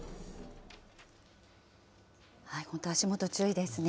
本当、足元注意ですね。